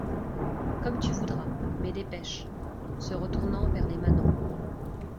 Comme tu voudras ; mais dépêche. — Se retournant vers les manants.